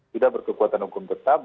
sudah berkekuatan hukum tetap